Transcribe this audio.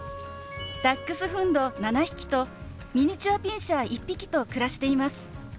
ダックスフンド７匹とミニチュアピンシャー１匹と暮らしています。